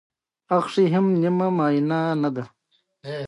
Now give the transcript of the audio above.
استاد د مینې او احترام وړ دی.